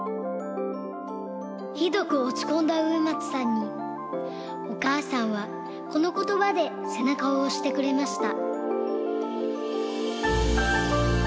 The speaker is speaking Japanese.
ひどくおちこんだ植松さんにおかあさんはこのことばでせなかをおしてくれました。